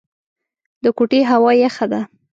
د کوټې هوا يخه ده.